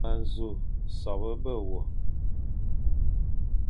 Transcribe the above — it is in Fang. M a nsu sobe ebe we,